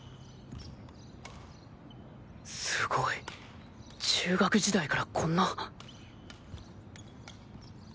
凄い中学時代からこんな。